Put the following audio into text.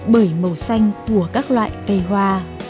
bởi màu xanh của các loại cây hoa